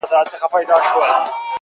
• د هغه ورځي څه مي.